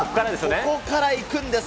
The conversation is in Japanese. ここから行くんです。